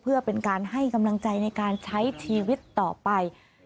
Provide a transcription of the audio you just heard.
เพื่อเป็นการให้กำลังใจในการใช้ชีวิตต่อไป